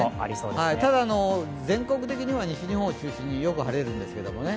ただ、全国的には西日本を中心によく晴れるんですけどね。